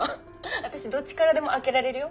私どっちからでも開けられるよ